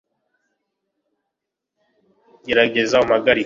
gerageza umpagarike